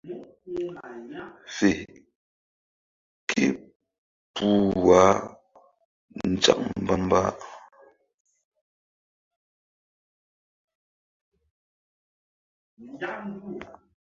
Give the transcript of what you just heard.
Fe képuh wah nzak mbam dara.